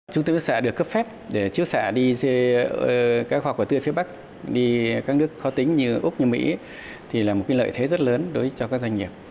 chúng tôi sẽ được cấp phép để chiếu xạ đi các hoa quả tươi phía bắc đi các nước khó tính như úc như mỹ thì là một lợi thế rất lớn đối với các doanh nghiệp